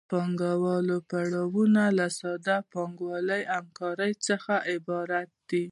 د پانګوالي پړاوونه له ساده پانګوالي همکارۍ څخه عبارت دي